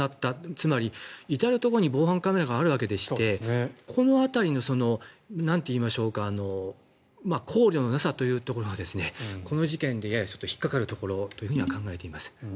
つまり、至るところに防犯カメラがあるわけでしてこの辺りの考慮のなさというところがこの事件のやや引っかかるところと考えています。